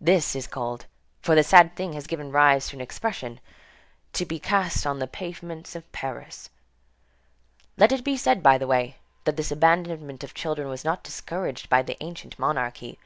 This is called, for this sad thing has given rise to an expression, "to be cast on the pavements of Paris." Let it be said by the way, that this abandonment of children was not discouraged by the ancient monarchy.